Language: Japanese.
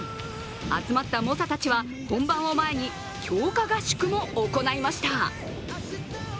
集まった猛者たちは、本番を前に強化合宿も行いました。